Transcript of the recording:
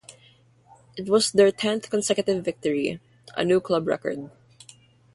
It was their tenth consecutive victory, a new club record.